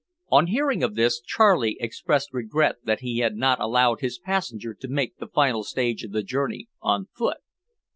On hearing of this, Charlie expressed regret that he had not allowed his passenger to make the final stage of the journey on foot.